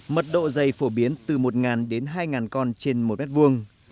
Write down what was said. mật độ dày phổ biến từ một đến hai con trên một mét vuông